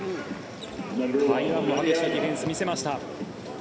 台湾も激しいディフェンスを見せました。